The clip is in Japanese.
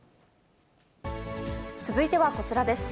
続いてはこちらです。